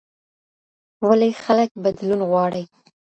ولي خلګ بدلون غواړي؟